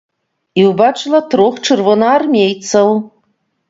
І ўбачыла трох чырвонаармейцаў.